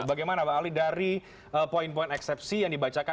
bagaimana bang ali dari poin poin eksepsi yang dibacakan